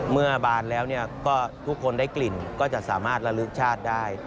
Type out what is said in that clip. บานแล้วก็ทุกคนได้กลิ่นก็จะสามารถระลึกชาติได้